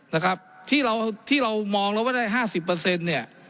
นะครับที่เราที่เรามองแล้วว่าได้ห้าสิบเปอร์เซ็นต์เนี่ย